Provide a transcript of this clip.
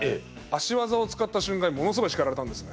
足技を使った瞬間にものすごい叱られたんですね。